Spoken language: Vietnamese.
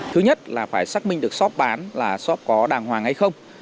thứ nhất là phải xác minh được shop bán là shop có đàng hoàng hay không